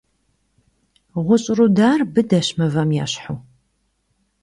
ГъущӀ рудар быдэщ, мывэм ещхьу.